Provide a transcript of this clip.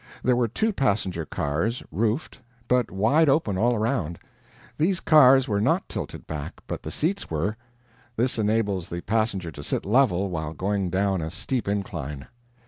There were two passenger cars, roofed, but wide open all around. These cars were not tilted back, but the seats were; this enables the passenger to sit level while going down a steep incline.